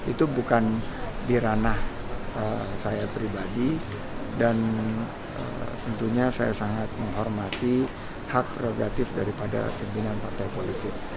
itu bukan di ranah saya pribadi dan tentunya saya sangat menghormati hak prerogatif daripada pimpinan partai politik